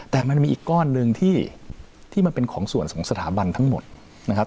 แต่มันมีอีกก้อนหนึ่งที่มันเป็นของส่วนของสถาบันทั้งหมดนะครับ